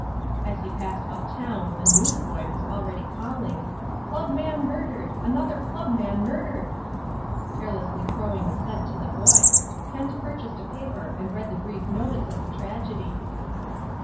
As he passed uptown a newsboy was already calling, "Club Man Murdered! Another Club Man Murdered!" Carelessly throwing a cent to the boy, Kent purchased a paper and read the brief notice of the tragedy.